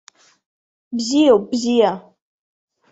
Бзиоуп, бзиа!